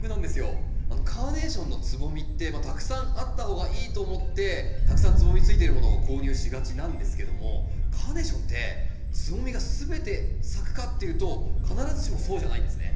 カーネーションのつぼみってたくさんあった方がいいと思ってたくさんつぼみついてるものを購入しがちなんですけどもカーネーションってつぼみが全て咲くかっていうと必ずしもそうじゃないんですね。